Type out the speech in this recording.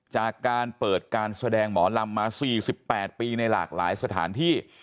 จากการเปิดการแสดงหมอลำมา๔๘ปีในหลากหลายสถานที่